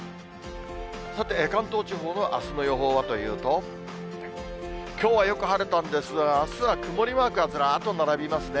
さて、関東地方のあすの予報はというと、きょうはよく晴れたんですが、あすは曇りマークがずらっと並びますね。